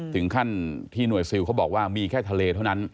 ถึงขั้นที่หน่วยซิลเขาบอกว่ามีแค่ทะเลเท่านั้น